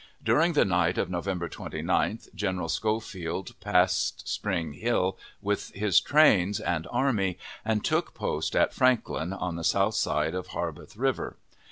During the night of November 29th General Schofield passed Spring Hill with his trains and army, and took post at Franklin, on the south aide of Harpeth River.